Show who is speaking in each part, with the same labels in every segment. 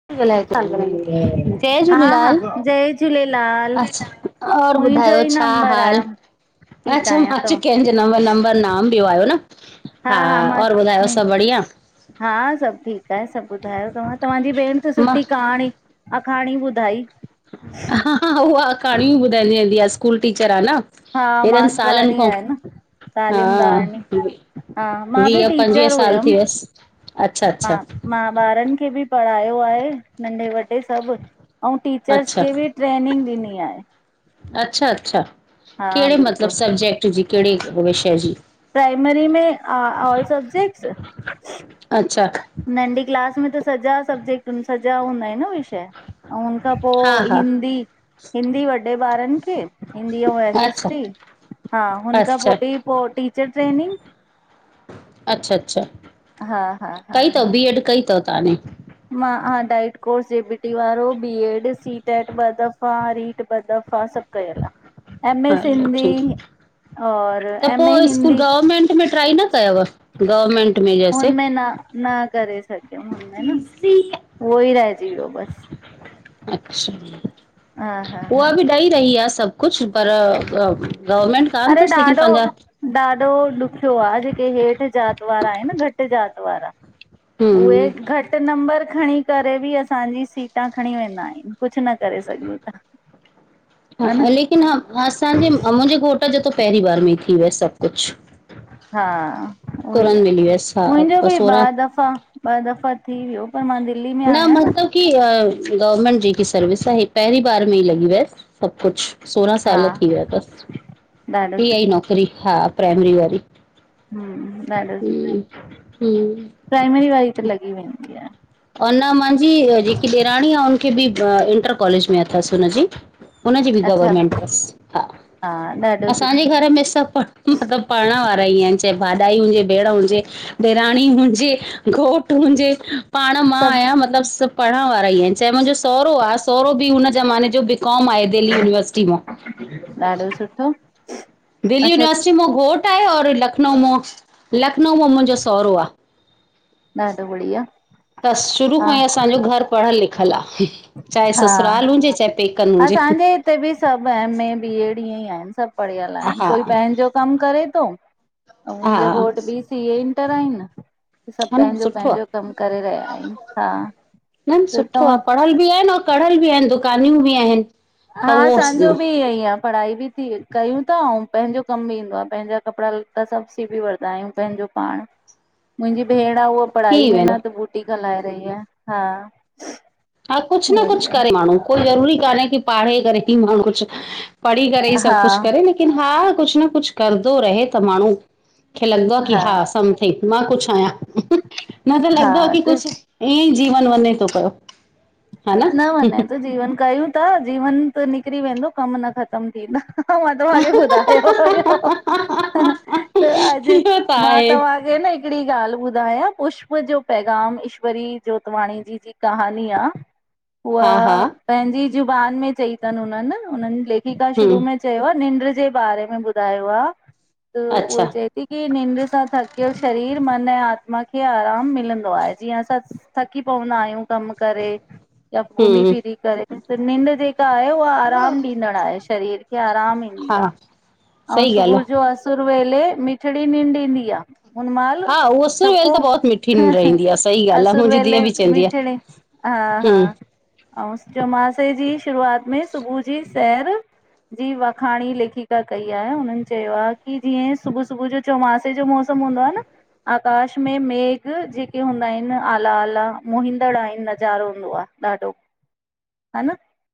Speaker 1: [inaudible] जय
Speaker 2: हा हा
Speaker 1: झूलेलाल!
Speaker 2: जय झूलेलाल
Speaker 1: अच्छा! और,
Speaker 2: मुंहिंजो
Speaker 1: ॿुधायो
Speaker 2: ई
Speaker 1: छा
Speaker 2: नंबर
Speaker 1: हाल?
Speaker 2: आहे ठीकु
Speaker 1: अच्छा!
Speaker 2: आहियां
Speaker 1: मांच
Speaker 2: तव्हां
Speaker 1: कंहिंजे नब नंबर नाम ॾ आयो न। हां, और ॿुधायो सभु बढ़िया?
Speaker 2: हां, सभ ठीकु आहे। सभ ॿुधायो तव्हां? तव्हांजी भेण त
Speaker 1: मां
Speaker 2: सुठी कहाणी अखाणी ॿुधाई।
Speaker 1: हा-हा, [unintelligible] उहा अखाणी ई ॿुधाईंदी वेंदी आहे। स्कूल टीचर आहे न।
Speaker 2: हां,
Speaker 1: हेॾनि सालनि
Speaker 2: मास्टराणी
Speaker 1: खां
Speaker 2: आहे न।
Speaker 1: हा
Speaker 2: तालीमदारणी। हां, मां बि
Speaker 1: वीह पंजवीह
Speaker 2: टीचर
Speaker 1: साल थी
Speaker 2: हुयमि।
Speaker 1: वियसि अच्छा अच्छा
Speaker 2: हां, मां ॿारनि खे बि पढ़ायो आहे। नंढे वॾे सभ। ऐं टीचर्स खे बि ट्रेनिंग ॾिनी आहे।
Speaker 1: अच्छा-अच्छा!
Speaker 2: हा
Speaker 1: कहिड़े मतलब
Speaker 2: बिल्कुलु
Speaker 1: सब्जेक्ट जी? कहिड़े विषय जी?
Speaker 2: प्राइमरी में अं ऑल सब्जेक्ट्स
Speaker 1: अछा
Speaker 2: नंढी क्लास में त सॼा सब्जेक्ट सॼा हूंदा आहिन न विषय ऐं हुन खां
Speaker 1: हा
Speaker 2: पोइ
Speaker 1: हा
Speaker 2: हिंदी हिंदी वॾे ॿारन खें हिंदी ओ एस एस
Speaker 1: अच्छा
Speaker 2: टी हा हुन खां
Speaker 1: अच्छा
Speaker 2: पोई बी पोइ टीचर ट्रेनिंग
Speaker 1: अछा अछा
Speaker 2: हा हा हा
Speaker 1: कई
Speaker 2: हा
Speaker 1: थव बीएड कई थव तहां ने
Speaker 2: मां हा डाइट कोर्स जे बी टी वारो बी एड सी टेट ॿ दफ़ा रीट ॿ दफ़ा तहां सभ कयल आह एम एस
Speaker 1: हलो
Speaker 2: सिंधी
Speaker 1: ठीकु
Speaker 2: और एम ए हिंदी
Speaker 1: गवर्नमेंट में ट्राई न कयव गवर्नमेंट में जैसे
Speaker 2: हुनमें न न करे सघियम हुनमें न उहो ई रहजी वियो बस
Speaker 1: अछा
Speaker 2: हा हा हा
Speaker 1: उहा बी ॾई रही आह सभ कुछ पर गवर्नमेंट
Speaker 2: अरे ॾाढो ॾाढो ॾुखियो आह जेके हेठ जात वारा आहिन घट जात वारा उहे
Speaker 1: हम्म
Speaker 2: घट नंबर खणी करे बी असांजी सीटा खणी वेंदा आहिन कुछ न करे सघूं था
Speaker 1: हा ले लेकिन हां असांजे मुंहिंजे घोट जो त पहिरीं बार में ई थी वियोस सभ कुछ
Speaker 2: हां उह ई आह
Speaker 1: मिली वियसि हा
Speaker 2: मुंहिंजो
Speaker 1: ब
Speaker 2: बी
Speaker 1: सोरहं
Speaker 2: ॿ दफ़ा ॿ दफ़ा थी वियो पर मां दिल्ली में आहियां न
Speaker 1: की गवर्मेंट जेकी सर्विस आह हे पहिरीं बार में ई लॻी वयस सभ कुछ सोरहां
Speaker 2: हा
Speaker 1: साल थी विया थस
Speaker 2: ॾाढो
Speaker 1: इहाही ई
Speaker 2: सुठो
Speaker 1: नौकरी हां प्राइमरी वारी
Speaker 2: हम्म ॾाढो सुठो
Speaker 1: हम्म हम्म
Speaker 2: प्राइमरी वारी त लॻी वेंदी आह
Speaker 1: ऐं न महांजी जेकी ॾेराणी आह हुनखे भी इंटर कॉलेज में अथस हुनजी हुनजी बी
Speaker 2: अच्छा
Speaker 1: गवर्मेंट थस हा
Speaker 2: ॾाढो सुठो
Speaker 1: असांजे घर में सभ मतलब पढ़ण वारा ई आहिन चाहे भाॼाई हुजे भेण हुजे ॾेराणी हुजे घोट हूंजे पाण मां
Speaker 2: सभु
Speaker 1: आहियां मतलब सभ पढ़ण वारा ई आहिन चाहे मुंहिंजो सोहरो आह सोहरो बी हुन ज़माने जो बीकॉम आहे दिल्ली यूनिवर्सिटी मां
Speaker 2: ॾाढो सुठो
Speaker 1: दिल्ली
Speaker 2: अच्छा
Speaker 1: यूनिवर्सिटी मां घोट आहे और लखनऊ मां लखनऊ मा मुंहिंजो सोहरो आ।
Speaker 2: ॾाढो बढ़िया
Speaker 1: तस शुरु
Speaker 2: हा
Speaker 1: खा ई अस। असां जो घर पढ़ियल लिखियल आ चाहे
Speaker 2: हा
Speaker 1: ससुराल हुजे चाहे। पेकनि हुजे
Speaker 2: असांजे हिते बी सभ एमए, बीएड ईअंई आहिन सभ पढ़ियल
Speaker 1: हा
Speaker 2: आहिन
Speaker 1: हा
Speaker 2: कोई पंहिंजो। कम करे तो अऊं मुंहिंजो
Speaker 1: हा
Speaker 2: घोट बी सीए इंटर आहिन। सभ
Speaker 1: न
Speaker 2: पहिंजो
Speaker 1: सुठो आ।
Speaker 2: पहिंजो कम करे रहिया आहिन, हा त तहां?
Speaker 1: फल बी आहिन ओर कढ़ल बी आहिन दुकानियूं बी आहिन।
Speaker 2: हां असांजो बी ईयई आ। पढ़ाई बी थी कयूं था, अऊं पंहिंजो कमु बी ईंदो आ पंहिंजा कपड़ा लत्ता सभ सिभी वठदा आहियूं पंहिंजो पाण। मुंहिंजी भेण आ उहा
Speaker 1: थी
Speaker 2: पढ़ाई में
Speaker 1: वेंदो
Speaker 2: न त बूटीक हलाए रही आह हां
Speaker 1: हा कुछ न कुछ करे माण्हूं कोई जरूरी काने की पढ़ी करे ही माण्हू कुछ पढ़ी करे ई सभ
Speaker 2: हा
Speaker 1: कुछ करे, लेकिन हा कुछ न कुछ करदो ही रहे त माण्हू। खे लॻंदो आ की हा समथिंग, मां कुछ आहियां न त
Speaker 2: हा
Speaker 1: लगदो आ की
Speaker 2: त
Speaker 1: कुछ। ईंयईं जीवन वञें तो पयो।
Speaker 2: न वनें तो जीवन, कयूं ता जीवन त निकिरी वेंदो, कम नथा कम थींदा, मां तव्हांखे ॿुधायो हुयो। त अॼु
Speaker 1: इहो त
Speaker 2: मां
Speaker 1: आहे
Speaker 2: तव्हां तोखे न हिकिड़ी ॻाल्हि ॿुधायां पुष्प जो पैग़ाम, ईश्वरी जोतवाणी जी, जी कहानी आ उआ
Speaker 1: हा हा
Speaker 2: पंहिंजी ज़ुबान में चई अथनि उननि, उननि लेखिका शुरू
Speaker 1: हम्म
Speaker 2: में चयो आ निंड जे बारे में ॿुधायो आ त
Speaker 1: अच्छा
Speaker 2: उअ चए की निंड सां थकियल शरीर मन ऐं आत्मा खे आराम मिलंदो आहे, जीअं असां थकी पवंदा आहियूं कम करे या घुमी
Speaker 1: हम्म
Speaker 2: फिरी करे, त निंड जेका आहे उहा आराम ॾींदड़ आहे शरीर खे आराम ई
Speaker 1: हा
Speaker 2: ईआ, औं
Speaker 1: सही ॻाल्हि
Speaker 2: सुबुह
Speaker 1: आहे
Speaker 2: जो असुर वेले मिठड़ी निंड ईंदी आ उनमाल
Speaker 1: हा उहो असुर
Speaker 2: सभ
Speaker 1: वेल
Speaker 2: को
Speaker 1: त बहुत मिठी
Speaker 2: हुं
Speaker 1: निंड
Speaker 2: हुं
Speaker 1: ईंदी आहे सही ॻाल्हि आहे
Speaker 2: आसुर
Speaker 1: मुंहिंजी
Speaker 2: वेले
Speaker 1: धीअ बि चवंदी आहे
Speaker 2: मिठड़ी
Speaker 1: हम्म
Speaker 2: हा-हा। औं, चौमासे जी शुरुआत में सुबूह जी सैर जी वाखाणी लेखिका कई आहे, हुननि चयो आ, कि जीअं सुबूह सुबूह जो चोमासे जो मौसम हूंदो आ न आकाश में मेघ, जेके हूंदा आहिनआला- आला मोहींदड़ आहिन नज़ारो हूंदो आ ॾाढो। हान,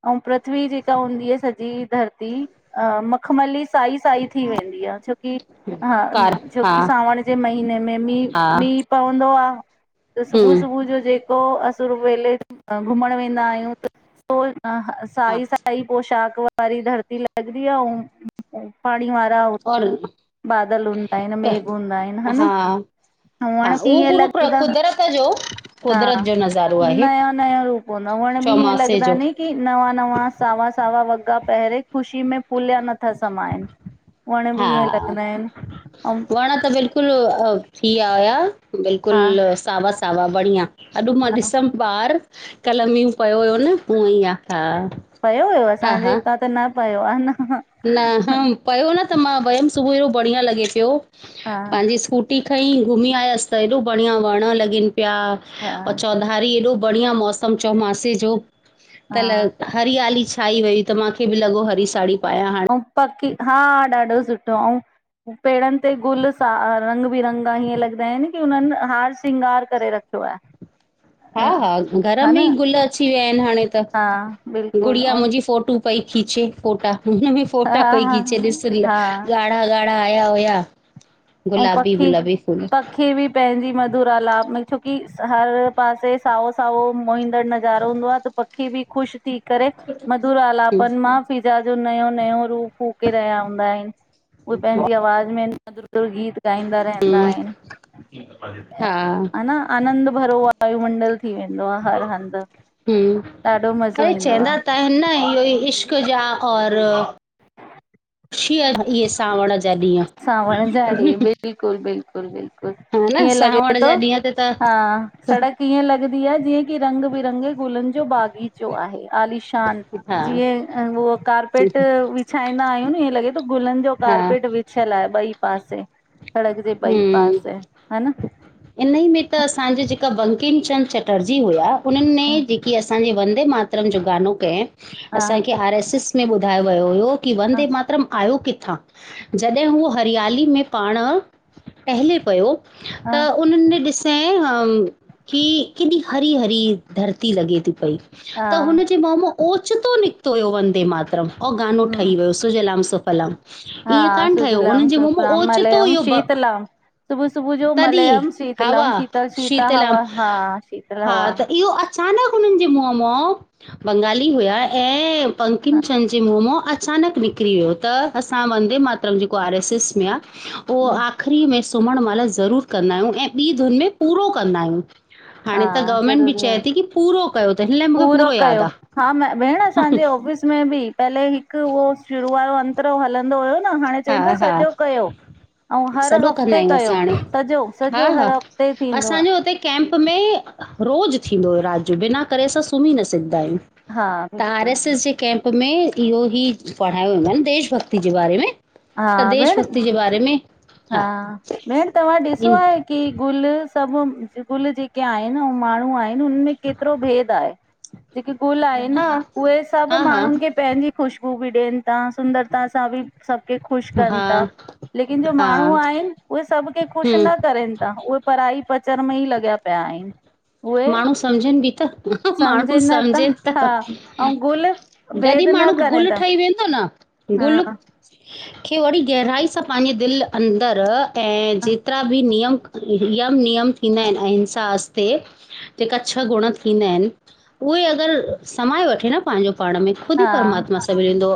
Speaker 2: अऊं पृथ्वी जेका हूंदी आ सॼी धरती अं मखमली साई साई थी वेंदी आ छोकी हा!
Speaker 1: कार हा
Speaker 2: छोकी सावण जे महीने में मींहु
Speaker 1: हा
Speaker 2: मींहु पवंदो आ त सुबुह
Speaker 1: हम्म
Speaker 2: सुबुह जो जेको असुर वेले त घुमण वेंदा आहियूं, त तां
Speaker 1: हा
Speaker 2: साई-साई पोशाक वारी धरती लगदी आ औं पाणी वारी। ता
Speaker 1: और
Speaker 2: बादल हूंदा आहिन,
Speaker 1: त
Speaker 2: मेघ हूंदा आहिन हा न। हुअंण
Speaker 1: हा
Speaker 2: बि
Speaker 1: उहो
Speaker 2: ईएंं
Speaker 1: पूरो प्र
Speaker 2: लॻदा,
Speaker 1: कुदरत जो कुदरत
Speaker 2: हा।
Speaker 1: जो नज़ारो आहे
Speaker 2: नया। नयों रूप न, वण बि ईयें
Speaker 1: चौमासे
Speaker 2: लगदा
Speaker 1: जो
Speaker 2: नीं कि नवां-नवां, सावा-सावा वग्ग़ा पहरे खु‌‌शी में फुलिया नथा समाइनि वण बि ईयें
Speaker 1: हा
Speaker 2: लॻंदा आहिन औं
Speaker 1: वण त बिल् कुलु थी विया हुया
Speaker 2: हा
Speaker 1: बिल्कुलु सावा-सावा बढ़ियां, अॼु मां
Speaker 2: हा
Speaker 1: ॾिसम। ॿाहर कल मींहुं पयो हुयो न हुअं ई आ, हा!
Speaker 2: पयो हुयो
Speaker 1: हा
Speaker 2: असांजे
Speaker 1: हा
Speaker 2: हितां त न पयो आ न ह ह।
Speaker 1: न ह पयो न त मां वयियमि सुबुह जो बढ़िया लॻे पियो,
Speaker 2: हा
Speaker 1: पंहिंजी स्कू टी खईं घुमीं आयसि त हेॾो बढ़िया वण लॻनि पिया
Speaker 2: हा
Speaker 1: औं चौधा हरी एॾो बढ़ियां मौसम चौमासे जो त ल
Speaker 2: हा
Speaker 1: हरीआली छाई वई, त माखे बि लॻो हरी साड़ी पायां हाणे।
Speaker 2: ऐं पकी हा ॾाढो सुठो ऐं पेड़नि ते गुल सा रंग बिरंगा हीअं लॻंदा आहिन, की हुननि हार श्रंगार करे रखियो आ। [inaudible]
Speaker 1: हा-हा घर में ई गुल अची विया आहिन हाणे त,
Speaker 2: हा बिल्कुलु
Speaker 1: गुड़िया मुंहिंजी फोटू पई खीचे फ़ोटा, हुनमें
Speaker 2: ऐं
Speaker 1: फोटा
Speaker 2: हा
Speaker 1: पई
Speaker 2: हा
Speaker 1: खीचे, ॾिस रील
Speaker 2: हा
Speaker 1: ॻाढ़ा- ॻा़ढ़ा आया हुया।
Speaker 2: ऐं पखी
Speaker 1: गुलाबी-गुलाबी फूल।
Speaker 2: पखी बि पंहिंजी मधुरालाप में छोकी हर पासे साओ-साओ मोहंदड़ नज़ारो हूंदो आ त पखी बि ख़ुश थी करे, मधुर आलापन मां फिजा जो नयो-नयो रूप फूके रहिया हूंदा आहिन उहे पंहिंजी आवाज़ में मधुर मधुर गीत ॻाईंदा रहंदा आहिनि
Speaker 1: हा हम्म
Speaker 2: हना आनंद भरो वायुमंडल थी वेंदो आ हर हंधि ॾाढो मज़ो
Speaker 1: अरे
Speaker 2: ईंदो आ
Speaker 1: चवंदा त हिन इहो ई इश्क़ जा और ख़ुशीअ जा इहे सावण जा ॾींहं
Speaker 2: सावण जा ॾींहं बिल्कुलु, बिल्कुलु, बिल्कुलु
Speaker 1: हा न
Speaker 2: ईअं लॻे
Speaker 1: सावण
Speaker 2: थो
Speaker 1: जा ॾींहं ते त
Speaker 2: हा सड़क ईअं लॻदी आहे जीअं की रंग बिरंगे गुलनि जो बागीचो आहे आलीश शान
Speaker 1: हा
Speaker 2: जीअं उहो कारपेट विछाईंदा आहियूं न ईंहे लॻे थो गुलनि जो
Speaker 1: हा
Speaker 2: कार्पेट विछियल आहे ॿई पासे, सड़क जे ॿई पासे ह न
Speaker 1: इनही में त असांजे जेका बंकिमचंद चटर्जी हुया उन्हनि
Speaker 2: हा
Speaker 1: में जेकी असांजे वंदे मात तरम जो गानो कएं
Speaker 2: हा
Speaker 1: असांखे आर एस एस में ॿुधायो वियो हुयो कि
Speaker 2: हा
Speaker 1: वंदे मातरम आहियो किथां? जॾहिं हूअ हरियाली में पाण टहिले पयो
Speaker 2: हा
Speaker 1: त उन्हनि ने ॾिसें अं हम की केॾी हरी-हरी धरती लॻे थी पई
Speaker 2: हा
Speaker 1: त हुनजे मुंह मों ओचितो निकितो हुयो वंदे मातरम अंऊँ गानो ठही
Speaker 2: हम्म
Speaker 1: वियो सुजलाम सुफलाम ईअं
Speaker 2: हा
Speaker 1: कान ठहियो
Speaker 2: सुजलाम
Speaker 1: उन्हनि जे मुंह मों ओचितो इहो ब
Speaker 2: सुबुह-सुबुह जो
Speaker 1: तॾहिं
Speaker 2: मलयम शीतलम
Speaker 1: हवा
Speaker 2: शीतल शीता
Speaker 1: शीतलाम
Speaker 2: हवा हा शीतल
Speaker 1: हा
Speaker 2: हवा
Speaker 1: त इहो अचानक उन्हनि जे मुंह मों, बंगाली हुया ऐं पंकिम चंद जे मुंह मों अ अचानक निकिरी वियो त असां वंदे मातरम जेको आर एस एस में आ उहो आख़िरी में सुम्हणु महिल ज़रूरु कंदा आहियूं ऐं ॿी धुुनि में पूरो कंदा आहियूं
Speaker 2: हा
Speaker 1: हाणे त गवर्नमेंट बि
Speaker 2: ज़रूरी आ
Speaker 1: चए थी की पूरो कयो त हि
Speaker 2: पूरो कयो हा म भेण असांजे ऑफ़िस में बि पहले हिकु उहो शुरू वारो अंतरो हलंदो हुयो न, हाणे चईनि था
Speaker 1: हा
Speaker 2: सॼो
Speaker 1: हा
Speaker 2: कयो अंऊँ हर
Speaker 1: सॼो कंदा
Speaker 2: हफ़्ते
Speaker 1: आहियूं
Speaker 2: कयो,
Speaker 1: असां हाणे
Speaker 2: सॼो,
Speaker 1: हा
Speaker 2: सॼो
Speaker 1: हा
Speaker 2: हर हफ़्ते थींदो आ
Speaker 1: असांजो हुते कैंप में रोज़ थींदो हुयो राति जो बिना करे असां सुम्ही न सघदा आहियूं
Speaker 2: हा
Speaker 1: त आर
Speaker 2: बिल्कुलु
Speaker 1: एस एस जे कैम्प में इहो ही पढ़ायो वेंदो आहिन देश भक्ति जे बारे में
Speaker 2: हा
Speaker 1: त देश
Speaker 2: भेण
Speaker 1: भक्ति जे बारे में
Speaker 2: हा भेण तव्हां ॾिसो
Speaker 1: इन
Speaker 2: आहे कि गुल सभु गुल जेके आहिनि हो माण्हू आहि हुन में केतिरो भेद आहे जेके गुल आहिनि
Speaker 1: हा
Speaker 2: उहे सभु
Speaker 1: हा हा
Speaker 2: माण्हुनि खे पंहिंजी ख़ुशबू बि ॾियनि था, सुंदरता सां बि सभु खे ख़ुशि कनि
Speaker 1: हा
Speaker 2: था, लेकिन जो
Speaker 1: हा
Speaker 2: माण्हू आहिनि, उहे सभु ख्रे ख़ुशि न
Speaker 1: हम्म
Speaker 2: करेनि था, उहे पराई पचर में ई लॻिया पिया आहिनि उहे
Speaker 1: माण्हू सम्झनि बि त, माण्हू
Speaker 2: सम्झनि न था
Speaker 1: समझेनि त
Speaker 2: हा ऐं गुल भेद
Speaker 1: जॾहिं
Speaker 2: न
Speaker 1: माण्हू
Speaker 2: करनि
Speaker 1: गुल
Speaker 2: था
Speaker 1: ठही वेंदो न, गुल
Speaker 2: हा
Speaker 1: खे वड़ी गहराई सां पांहिंजे दिलि अंदर ऐं जेतिरा बि नियम यम-नियम थींदा आहिनि अहिंसा अस्ते जेका छह गुण थींदा आहिनि, उहे अगरि समाए वठे न पांहिंजो पाण में खुदि ई
Speaker 2: हा
Speaker 1: परमात्मा सां मिलंदो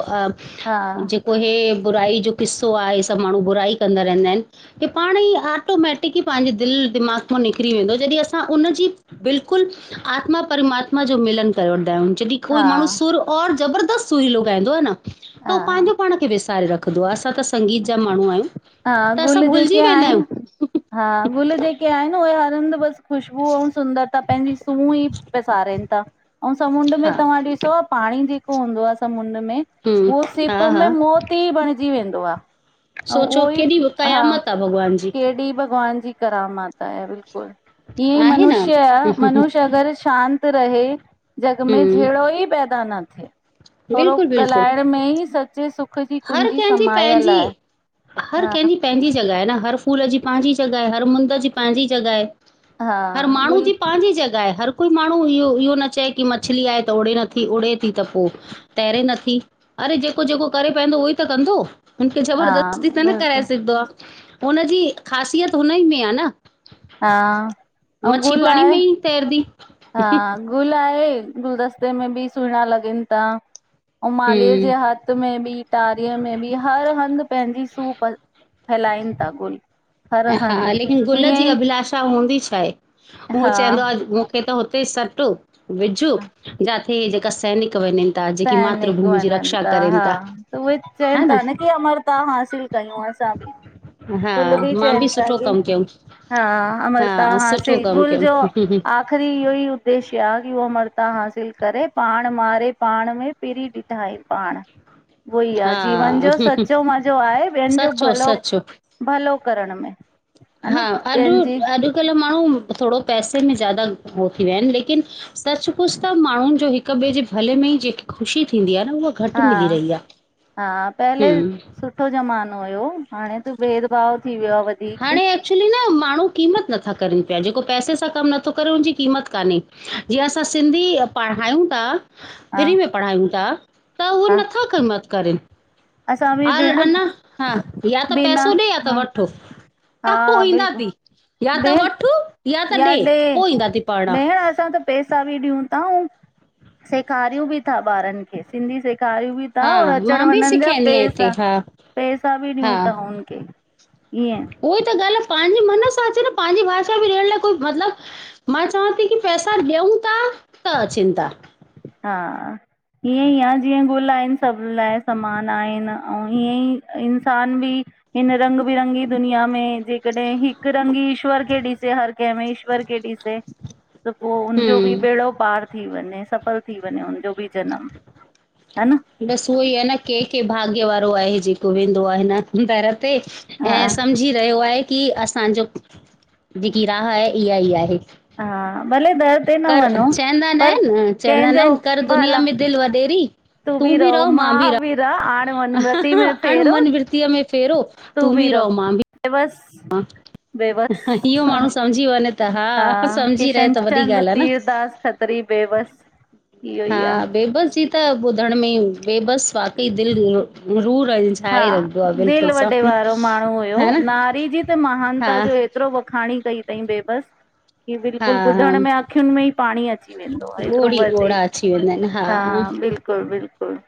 Speaker 2: हा
Speaker 1: पो हे बुराई जो किस्सो आ हे सभु माण्हू बुराई कंदा रहंदा आहिनि की पाणे ई आटोमैटिकली पंहिंजे दिलि दिमाग़ मां निकिरी वेंदो जॾहिं असां उनजी बिल्कुलु आत्मा परमात्मा जो मिलन करे वठदाउंन जॾहिं कोई
Speaker 2: हा
Speaker 1: माण्हू सुर और जबरदस्त सुई लुगाइंदो आ न त
Speaker 2: हा
Speaker 1: हो पंहिंजो पाण खे विसारे रख दुआ सां त संगीत जा माण्हू आहियूं
Speaker 2: हा
Speaker 1: त असां
Speaker 2: गुल जेके
Speaker 1: भुलिजी वेंदा
Speaker 2: आहिनि
Speaker 1: आहियूं
Speaker 2: हा गुल जेके आहिन उहे हर हंधि बसि ख़ुशबू ऐं सुंदरता पंहिंजी सूह ई पसारनि था ऐं समुंड में
Speaker 1: हा
Speaker 2: तव्हां ॾिसो पाणी जेको हूंदो आ समुंड में
Speaker 1: हम्म
Speaker 2: उह
Speaker 1: हा
Speaker 2: सिप
Speaker 1: हा
Speaker 2: में मौती ई बणिजी वेंदो आ।
Speaker 1: सोचो
Speaker 2: उहो ई
Speaker 1: केॾी
Speaker 2: हा
Speaker 1: क़यामत आहे भॻवान जी
Speaker 2: केॾी भॻवान जी करामात आए बिल्कुल, ही
Speaker 1: आहे न
Speaker 2: मनुष्य आ मनुष्य अगर शांत रहे जग में
Speaker 1: हम्म
Speaker 2: झेड़ो ई पैदा न थे। थोरो
Speaker 1: बिल्कुलु बिल्कुलु
Speaker 2: ॻाल्हाइण में ई सचे सुख जी
Speaker 1: हर
Speaker 2: कुंजी
Speaker 1: कंहिंजी
Speaker 2: समायल
Speaker 1: पंहिंजी
Speaker 2: आए।
Speaker 1: हर केंजी पेंजी जॻह आहे न हर फूल जी पांजी जॻह आहे हर मुंद जी पांजी जॻह आए।
Speaker 2: हा
Speaker 1: हर माण्हू
Speaker 2: गुल
Speaker 1: जी पांजी जॻह आहे हर कोई माण्हू इहो इहो न चए की मछली आहे त उड़े नथी उड़े थी त पो तैरे नथी अरे जेको-जेको करे पएदो उहो ई त कंदो हुनखे
Speaker 2: हा
Speaker 1: जबरदस्ती सा न कराए
Speaker 2: बिल्कुलु
Speaker 1: सघदो आ। हुनजी ख़ासियत हुन ई में आ न।
Speaker 2: हा, आऊं
Speaker 1: मच्छी
Speaker 2: गुल
Speaker 1: पाणी
Speaker 2: आहे।
Speaker 1: में ई तैरदी।
Speaker 2: हा गुल आहे गुलदस्ते में बि सुहिणा लॻनि था। आऊं मालीअ जे
Speaker 1: हम्म
Speaker 2: हथ में बि टारीअ में बि हर हंधि पंहिंजी सू प फैलाइन था गुल हर
Speaker 1: हा
Speaker 2: हंधि
Speaker 1: लेकिन गुल जी
Speaker 2: ईअं ई
Speaker 1: अभिलाषा हूंदी छा आहे उहो
Speaker 2: हा
Speaker 1: चवंदो आ त हुते सट विझूं जाते जेका सैनिक वञन।
Speaker 2: सैनिक वञन था हा त उहे चवनि था न की अमरता हासिल कयूं असां बि
Speaker 1: हा, मां बि
Speaker 2: चवन था
Speaker 1: सुठो
Speaker 2: कि
Speaker 1: कमु कयूं
Speaker 2: हा अमरता
Speaker 1: हा सुठो
Speaker 2: हासिल
Speaker 1: कमु
Speaker 2: गुल जो
Speaker 1: कयमि
Speaker 2: आ आख़िरी इहो ई उद्देश्य आ की उह अमरता हासिल करे पाण मारे पाण में पेरी ॾिठाई पाण उहो ई आ
Speaker 1: हा
Speaker 2: जीवन जो सचो मज़ो आहे ॿियनि जो
Speaker 1: सचो
Speaker 2: भलो
Speaker 1: सचो
Speaker 2: भलो करण में
Speaker 1: हा
Speaker 2: न
Speaker 1: अॾु
Speaker 2: ॿियनि जी
Speaker 1: अॾुकल्ह माण्हू थोरो पैसे में ज्यादा हो थी विया आहिन लेकिन सच पुछ त माण्हुनि जो हिक ॿे जे भले में ई जेकी ख़ुशी थींदी आ न उहो
Speaker 2: हा हा, पहले
Speaker 1: हम्म
Speaker 2: सुठो ज़मानो हुयो हाणे त बेर भव थी वियो आ वधीक
Speaker 1: हाणे एक्चुली न माण्हू क़ीमत नथा करनि पिया जेको पैसे सां कमु नथो करे उन जी क़ीमत कान्हे। जीअं असां सिंधी पढ़ायूं था।
Speaker 2: हा
Speaker 1: फ्री में पढ़ायूं था त उहे
Speaker 2: हा
Speaker 1: नथा कम त करन।
Speaker 2: असां बि
Speaker 1: हल
Speaker 2: भेण
Speaker 1: अञा हा या त
Speaker 2: बिना
Speaker 1: पैसो ॾे यां त
Speaker 2: हा
Speaker 1: वठो
Speaker 2: हा
Speaker 1: काथो ईंदा ती
Speaker 2: बिल्कुलु
Speaker 1: या त
Speaker 2: भेण
Speaker 1: वठ या त ॾे पोइ ईंदा ती पढ़ण
Speaker 2: पेसा बि ॾियूं था आऊं सेखारियूं बि था ॿारनि खे सिंधी सेखारियूं बि ता
Speaker 1: हा
Speaker 2: और
Speaker 1: मां
Speaker 2: अचण
Speaker 1: बि
Speaker 2: वञनि जा
Speaker 1: सेखारींदी आहियां हिते
Speaker 2: पैसा
Speaker 1: हा
Speaker 2: पैसा बि
Speaker 1: हा
Speaker 2: ॾियूं था हुन खे। ईअं
Speaker 1: उहोई त ॻाल्ह आ पांजे मन सां अचो न पांजी भाषा में ॾियण लाइ कोई मतब मां चवां थी की पैसा ॾियूं था त अचन था।
Speaker 2: हा, ईीअं ई आ जीअं गुल आहिनि सभु लाइ समान आहिनि ऐं हीअं ई इंसान बि हिन रंग बिरंगी दुनिया में जेकॾहिं हिकु रंगी ईश्वर खेे ॾिसे हर कंहिं में ईश्वर के ॾि से, त पो उनजो बि
Speaker 1: हम्म
Speaker 2: बेड़ो पार थी वञे सभु सफल थी वञे हुनजो बि जनम हा न।
Speaker 1: बस उहो ई आहे न कंहिं कं भाग्य वारो आहे जेको वेंदो आहे न। दर ते
Speaker 2: हा
Speaker 1: ऐं सम्झी चयो आहे की असांजो जेकी राह आहे इहा ई आहे।
Speaker 2: हा भले दर ते न
Speaker 1: कर
Speaker 2: वञो
Speaker 1: चवंदा न
Speaker 2: पर कंहिंजो भला
Speaker 1: िलव डेेरी
Speaker 2: तू बि रहो मां बि रह हाणे वनपती में
Speaker 1: अण
Speaker 2: फेरो
Speaker 1: मन वृतीअ में फेरो
Speaker 2: तू बि रहो बस
Speaker 1: हा इहो माण्हू सम्झी वञञे त त हा सम्झी रहे त वॾी ॻाल्हि
Speaker 2: किशनचंद
Speaker 1: आ न।
Speaker 2: तीरदास खत्री बेबस इहो
Speaker 1: हा
Speaker 2: ई आ
Speaker 1: ब बस [unintelligible] त ॿुधण में बे बस वाक़ई दिल रूर।
Speaker 2: हा दिल वॾे वारो माण्हू हुयो
Speaker 1: हा न
Speaker 2: नारी जी।
Speaker 1: हा
Speaker 2: महानता जो एतिरो वखाणी कई थई बे ब की
Speaker 1: हा
Speaker 2: बिल्कुल
Speaker 1: हा
Speaker 2: ॿुधण में अखियुनि में ई पाणी अची वेंदो आहे हेतिरो
Speaker 1: ॻोढ़ी
Speaker 2: वधे
Speaker 1: ॻोढ़ा अची वेंदा आहिनि
Speaker 2: हा बिल्कुल बिल्कुल।